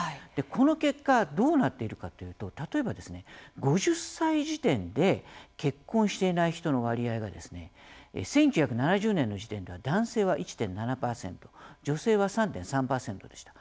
この結果、どうなっているかというと、例えば５０歳時点で結婚していない人の割合が１９７０年の時点では男性は１．７％女性は３．３％でした。